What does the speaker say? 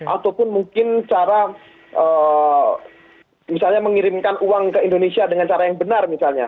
ataupun mungkin cara misalnya mengirimkan uang ke indonesia dengan cara yang benar misalnya